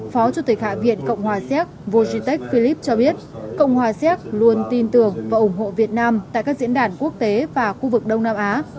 phó chủ tịch hạ viện cộng hòa xéc vojitech philipp cho biết cộng hòa xéc luôn tin tưởng và ủng hộ việt nam tại các diễn đàn quốc tế và khu vực đông nam á